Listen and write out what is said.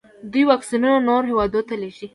دوی واکسینونه نورو هیوادونو ته لیږي.